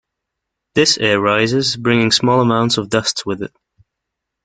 This air rises, bringing small amounts of dust with it.